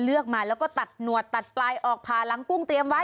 เลือกมาแล้วก็ตัดหนวดตัดปลายออกผ่าหลังกุ้งเตรียมไว้